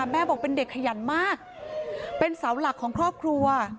แม่บอกเป็นเด็กขยันมากเป็นเสาหลักของครอบครัว